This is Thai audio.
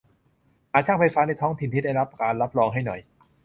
หาช่างไฟฟ้าในท้องถิ่นที่ได้ที่รับการรับรองให้หน่อย